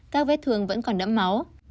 các vết thương vẫn còn đẫm máu